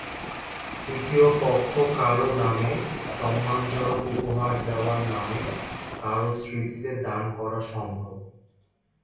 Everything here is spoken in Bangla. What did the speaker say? তৃতীয় পক্ষ কারো নামে, সম্মানজনক উপহার দেওয়ার নামে, কারো স্মৃতিতে দান করা সম্ভব।